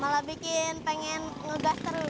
malah bikin pengen ngegas terus